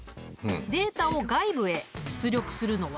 データを外部へ出力するのは？